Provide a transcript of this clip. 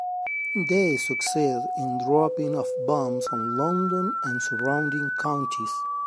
They succeeded in dropping of bombs on London and surrounding counties.